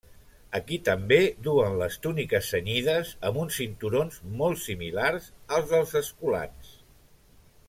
Aquí també duen les túniques cenyides amb uns cinturons molt similars als dels escolans.